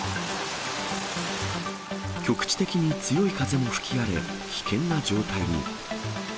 局地的に強い風も吹き荒れ、危険な状態に。